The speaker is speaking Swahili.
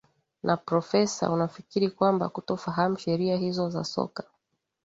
na profesa unafikiri kwamba kutofahamu sheria hizo za soka